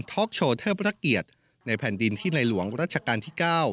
อกโชว์เทิบพระเกียรติในแผ่นดินที่ในหลวงรัชกาลที่๙